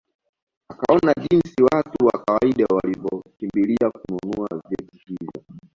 Akaona jinsi watu wa kawaida walivyokimbilia kununua vyeti hivyo